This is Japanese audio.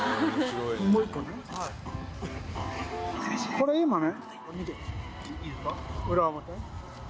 これ今ね。